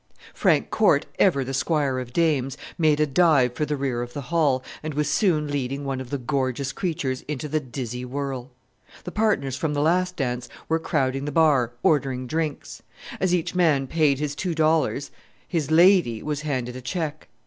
Frank Corte ever the squire of dames made a dive for the rear of the hall, and was soon leading one of the gorgeous creatures into the dizzy whirl. The partners from the last dance were crowding the bar, ordering drinks. As each man paid his two dollars his "lady" was handed a check.